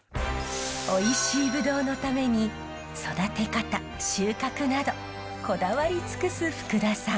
おいしいブドウのために育て方収穫などこだわり尽くす福田さん。